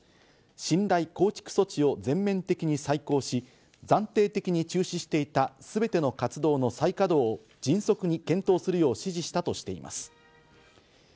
信頼構築措置を全面的に再考し、暫定的に中止していたすべての活動の再稼働を迅速に検討するよう指示したとしています。